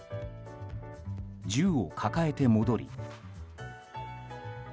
銃を抱えて戻り。